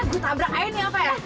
gue tabrak air nih apa ya